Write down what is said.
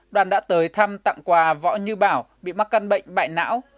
đoàn đã tới thăm tặng quà võ như bảo bị mắc căn bệnh bại não